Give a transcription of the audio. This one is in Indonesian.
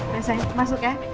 sini sayang masuk ya